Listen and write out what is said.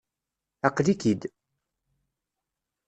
Aql-ik-id.